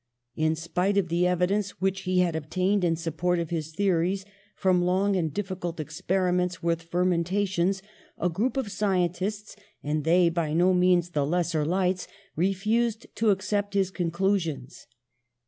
In spite of the evidence which he had obtained in support of his theories from long and difficult experiments with fermenta tions, a group of scientists, and they by no means the lesser lights, refused to accept his conclusions.